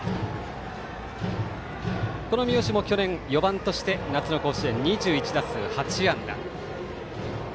この三好も去年、４番として夏の甲子園では２１打数８安打。